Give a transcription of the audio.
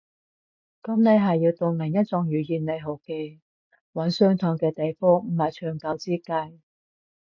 噉你係要當做另一種語言來學嘅。揾相同嘅地方唔係長久之計